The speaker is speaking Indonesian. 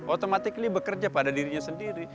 otomatis bekerja pada dirinya sendiri